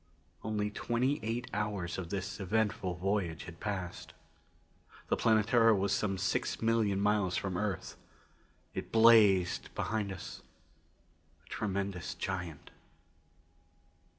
Only twenty eight hours of this eventful voyage had passed. The Planetara was some six million miles from the Earth; it blazed behind us, a tremendous giant.